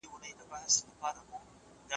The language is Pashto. سوفسطایانو یو لوی علمي نهضت پیل کړ.